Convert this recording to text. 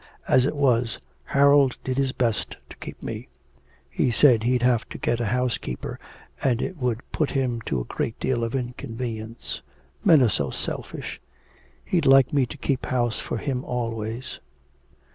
As it was Harold did his best to keep me. He said he'd have to get a housekeeper, and it would put him to a great deal of inconvenience: men are so selfish. He'd like me to keep house for him always.'